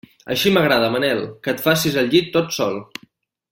Així m'agrada, Manel, que et facis el llit tot sol.